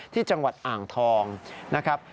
ที่จังหวัดอ่างทองนะครับ